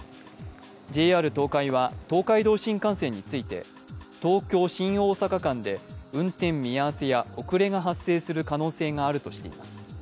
ＪＲ東海は、東海道新幹線について東京−新大阪間で運転見合わせや遅れが発生する可能性があるとしています。